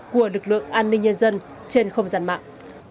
của lực lượng an ninh nhân dân trên không gian mạng